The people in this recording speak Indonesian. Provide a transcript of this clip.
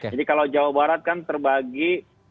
jadi kalau jawa barat kan terbagi